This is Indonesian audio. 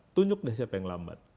tunjuk deh siapa yang lambat